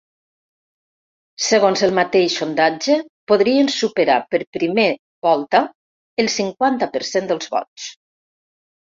Segons el mateix sondatge, podrien superar per primer volta el cinquanta per cent dels vots.